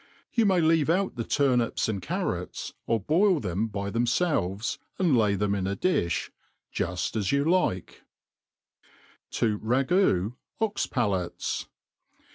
You may leave out the turnips and carrots, or boil them by themfelveB^ and lay them in a diOi, juft as you like, 7i ragoo Ox Palates.